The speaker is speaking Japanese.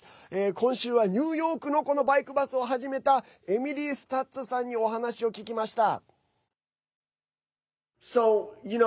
今週はニューヨークのこのバイクバスを始めたエミリー・スタッツさんにお話を聞きました。